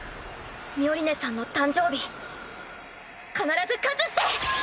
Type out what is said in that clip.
ミオリネさんの誕生日必ず勝つって！